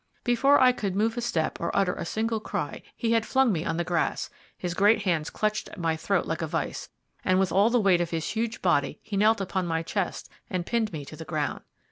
Before I could move a step or utter a single cry he had flung me on the grass, his great hands clutched at my throat like a vice, and with all the weight of his huge body he knelt upon my chest and pinned me to the ground.